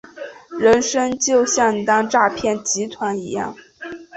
人生就像当诈骗集团一样